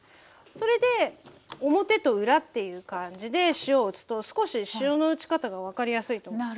それで表と裏っていう感じで塩を打つと少し塩の打ち方が分かりやすいと思うんですよね。